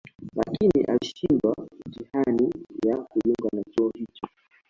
Lakini alishindwa mitihani ya kujiunga na chuo hicho